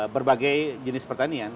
berbagai jenis pertanian